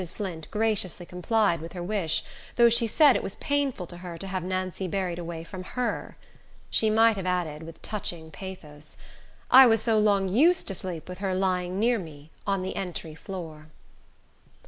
Flint graciously complied with her wish, though she said it was painful to her to have Nancy buried away from her. She might have added with touching pathos, "I was so long used to sleep with her lying near me, on the entry floor."